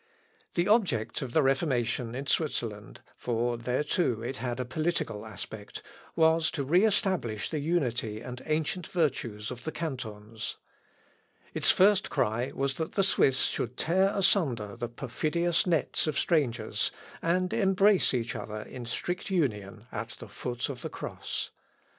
The object of the Reformation in Switzerland for there too it had a political aspect was to re establish the unity and ancient virtues of the cantons. Its first cry was that the Swiss should tear asunder the perfidious nets of strangers, and embrace each other in strict union at the foot of the cross.